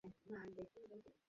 এ থেকে মনে পড়ল একটা কথা।